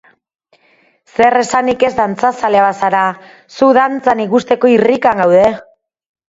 Zer esanik ez dantza zalea bazara, zu dantzan ikusteko irrikan gaude!